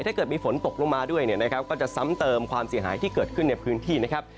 ถ้าเกิดมีฝนตกลงมาด้วยเนี่ยนะครับก็จะซ้ำเติมความเสียหายที่เกิดขึ้นในพื้นที่นะครับ